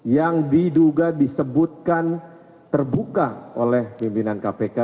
yang diduga disebutkan terbuka oleh pimpinan kpk